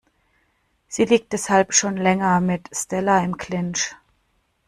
Sie liegt deshalb schon länger mit Stella im Clinch.